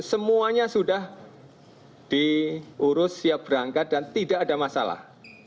semuanya sudah diurus siap berangkat dan tidak ada masalah